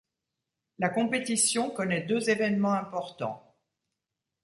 La compétition connaît deux événements importants.